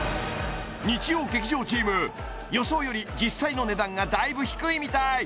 日曜劇場チーム予想より実際の値段がだいぶ低いみたい